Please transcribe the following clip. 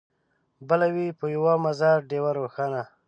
بله وي په یوه مزار ډېوه روښانه